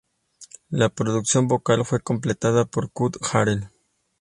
La producción vocal fue completada por Kuk Harrell.